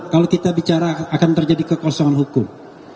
kalau kita bicara akan terjadi kekosongan hukum